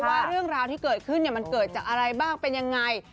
ว่าเรื่องราวที่เกิดขึ้นมันเกิดจากอะไรบ้างเป็นยังไง